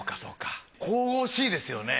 神々しいですよね。